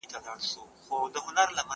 زه به سبا لاس پرېولم وم؟